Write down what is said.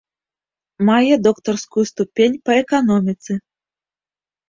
Мае доктарскую ступень па эканоміцы.